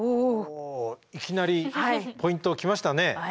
いきなりポイントきましたね。